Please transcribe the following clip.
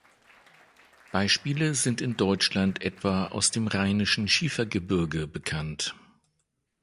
Beispiele sind in Deutschland etwa aus dem Rheinischen Schiefergebirge bekannt.